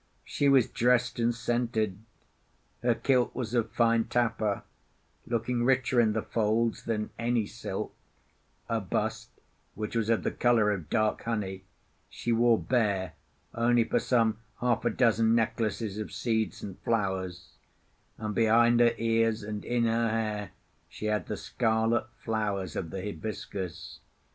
She was dressed and scented; her kilt was of fine tapa, looking richer in the folds than any silk; her bust, which was of the colour of dark honey, she wore bare only for some half a dozen necklaces of seeds and flowers; and behind her ears and in her hair she had the scarlet flowers of the hibiscus.